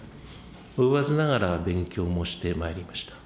及ばずながら勉強もしてまいりました。